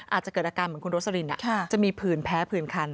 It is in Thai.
อาจจะเกิดอาการเหมือนคุณโรสลินจะมีผื่นแพ้ผื่นคัน